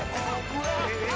えっ！